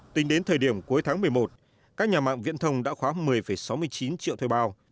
tính đến thời điểm cuối tháng một mươi một các nhà mạng viễn thông đã khóa một mươi sáu mươi chín triệu thuê bao